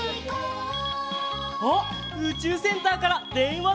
あっうちゅうセンターからでんわだ！